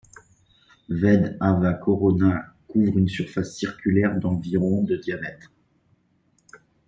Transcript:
Ved Ava Corona couvre une surface circulaire d'environ de diamètre.